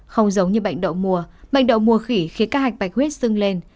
không giống như bệnh đậu mùa bệnh đậu mùa khỉ khiến các hạch bạch bạch huyết sưng lên